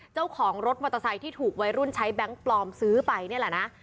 เจ้าของรถมอเตอร์ไซค์ที่ถูกวัยรุ่นใช้แบงค์ปลอมซื้อไปนี่แหละนะ